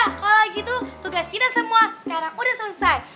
ya udah deh reba kalo gitu tugas kita semua sekarang udah selesai